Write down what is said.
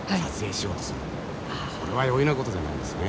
これは容易なことじゃないですね。